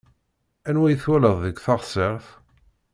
Anwa i twalaḍ deg teɣseṛt?